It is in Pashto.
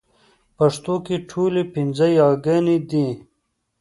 پښتو کې ټولې پنځه يېګانې دي